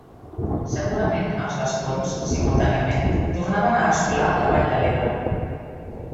Segurament els vascons, simultàniament, tornaven a assolar la Vall de l'Ebre.